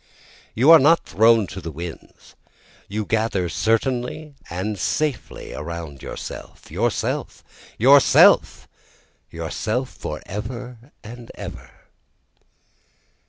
You are not thrown to the winds, you gather certainly and safely around yourself, Yourself! yourself!. yourself, for ever and ever!